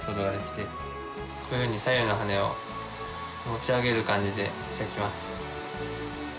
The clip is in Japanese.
こういうふうに左右の羽を持ち上げる感じで。